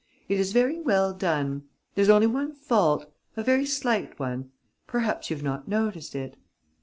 It is very well done. There's only one fault, a very slight one: perhaps you've not noticed it?"